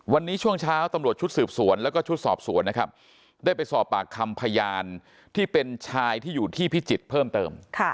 วันนี้ช่วงเช้าตำรวจชุดสืบสวนแล้วก็ชุดสอบสวนนะครับได้ไปสอบปากคำพยานที่เป็นชายที่อยู่ที่พิจิตรเพิ่มเติม